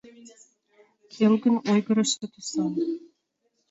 Келгын ойгырышо тӱсан.